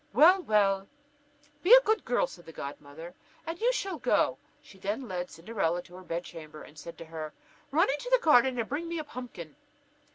"Well, well, be a good girl," said the godmother, "and you shall go." She then led Cinderella to her bedchamber, and said to her: "Run into the garden and bring me a pumpkin."